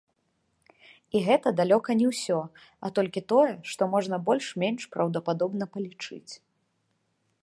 І гэта далёка не ўсё, а толькі тое, што можна больш-менш праўдападобна палічыць.